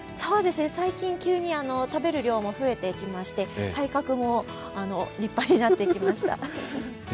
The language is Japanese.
最近、急に食べる量も増えてきまして、体格も立派になってきました。